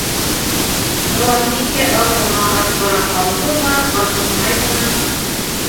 Яланбикә аҙ ғына артҡараҡ ҡалды ла ашыҡмай ғына: